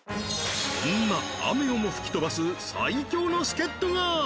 そんな雨をも吹き飛ばす最強の助っ人が！